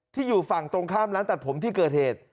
อยู่ฝั่งตรงข้ามร้านตัดผมที่เกิดเหตุ